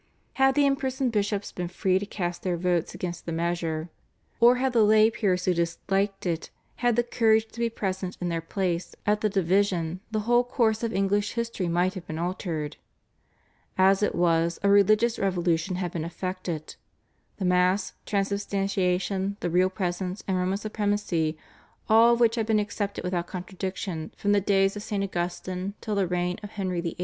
Had the imprisoned bishops been free to cast their votes against the measure, or had the lay peers who disliked it had the courage to be present in their places at the division the whole course of English history might have been altered. As it was a religious revolution had been effected. The Mass, Transubstantiation, the Real Presence and Roman supremacy, all of which had been accepted without contradiction from the days of St. Augustine till the reign of Henry VIII.